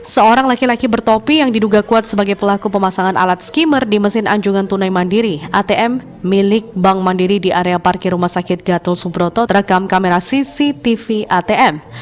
seorang laki laki bertopi yang diduga kuat sebagai pelaku pemasangan alat skimmer di mesin anjungan tunai mandiri atm milik bank mandiri di area parkir rumah sakit gatot subroto terekam kamera cctv atm